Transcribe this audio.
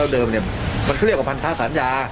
แล้วเดิมนี่มันเกิดเรียกว่าพรรถสัญญา